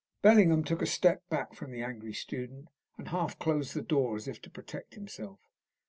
Bellingham took a step back from the angry student, and half closed the door as if to protect himself.